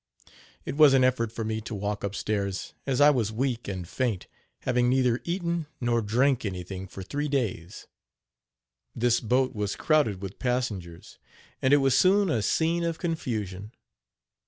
It was an effort for me to walk up stairs, as I was weak and faint, having neither eaten nor drank anything for three days. This boat was crowded with passengers, and it was soon a scene of confusion.